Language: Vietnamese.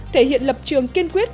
thể hiện lập trường kiên quyết